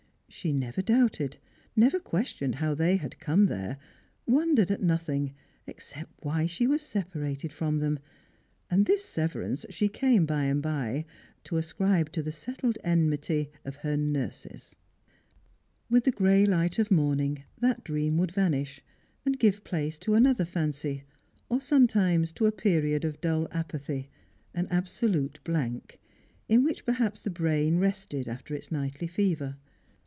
She never doubted, never questioned how they had come there, wondei ed at nothing except why she was separated from them, and this severanc* she came by and by to ascribe to the settled enmity of her nurses. With the gray light of morning that dream would vanish, and ?ive place to another fancy, or sometimes to a period of dull I Strangers and Pilgrims. .359 BpatTiy, an absolute blank, in which perhaps the brain rested after its nightly fever.